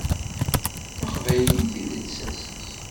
D taqbaylit i d lsas-is.